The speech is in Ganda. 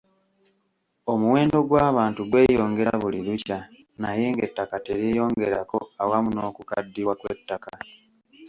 Omuwendo gw’abantu gweyongera buli lukya naye ng’ettaka teryeyongerako awamu n’okukaddiwa kw’ettaka.